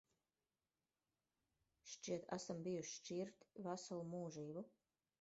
Šķiet, esam bijuši šķirti veselu mūžību.